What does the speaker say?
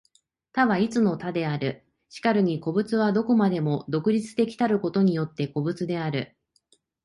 多は一の多である。然るに個物は何処までも独立的たることによって個物である。